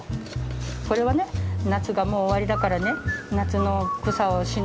これはね夏がもう終わりだからね夏の草をしの。